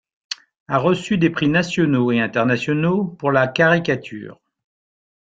A reçu des prix nationaux et internationaux pour la caricature.